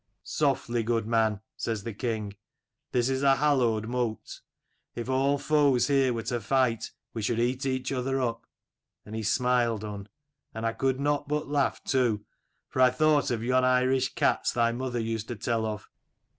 1 '"Softly, good man,' says the king; ' this is a hallowed mote: if all foes here were to fight, we should eat each other up.' And he smiled, Unn, and I could not but laugh too, for I thought of yon Irish cats thy mother used to tell of.